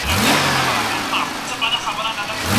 وچي مېوې بې خونده نه وي.